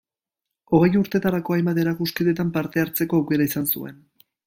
Hogei urtetarako hainbat erakusketetan parte hartzeko aukera izan zuen.